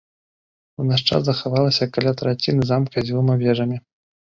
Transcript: У наш час захавалася каля траціны замка з дзвюма вежамі.